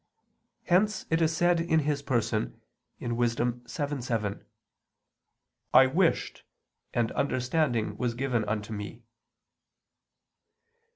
Hence it is said in his person (Wis. 7:7): "I wished, and understanding was given unto me."